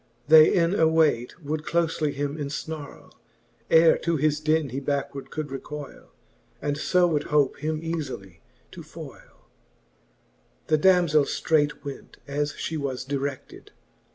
They in awayt would cloiely him eniharlc, Ere to his den he backward could recoyle, And fo would hope him eafily to foyle. The damzell ftraight went, as fhe was dire<9:ed.